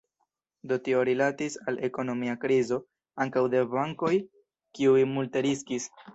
Do tio rilatis al ekonomia krizo ankaŭ de bankoj, kiuj multe riskis.